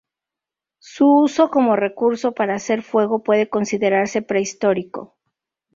Su uso como recurso para hacer fuego puede considerarse prehistórico.